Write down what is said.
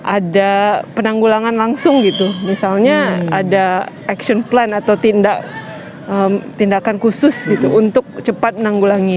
ada penanggulangan langsung gitu misalnya ada action plan atau tindakan khusus gitu untuk cepat menanggulangi